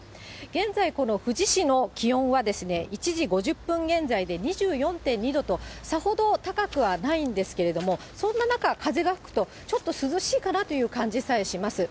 現在この富士市の気温は１時５０分現在で２４．２度と、さほど高くはないんですけれども、そんな中、風が吹くと、ちょっと涼しいかなという感じさえします。